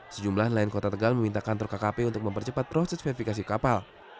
sejumlah nelayan kota tegal meminta kantor kkp untuk mempercepat proses verifikasi kapal